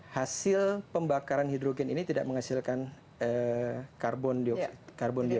hasil pembakaran hidrogen ini tidak menghasilkan karbon dialo